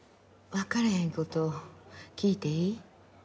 分かれへんこと聞いていい？